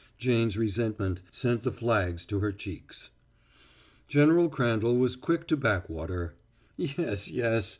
Jane's resentment sent the flags to her cheeks. General Crandall was quick to back water: "Yes, yes!